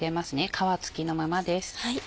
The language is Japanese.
皮つきのままです。